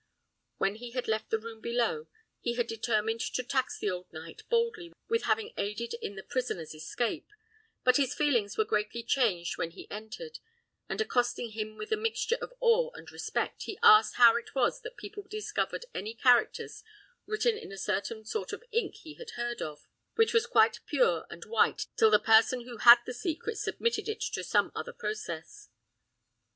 When he had left the room below, he had determined to tax the old knight boldly with having aided in the prisoners' escape; but his feelings were greatly changed when he entered, and accosting him with a mixture of awe and respect, he asked how it was that people discovered any characters written in a certain sort of ink he had heard of, which was quite pure and white till the person who had the secret submitted it to some other process.